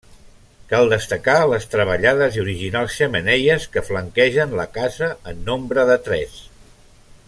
Cal destacar les treballades i originals xemeneies que flanquegen la casa en nombre de tres.